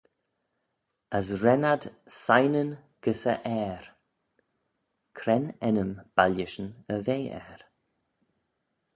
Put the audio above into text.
As ren ad signyn gys e ayr, cre'n ennym baillishyn y ve er.